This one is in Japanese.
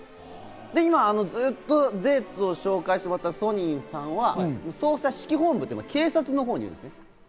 今ずっとデーツを紹介してもらったソニンさんは捜査指揮本部、警察のほうにいる。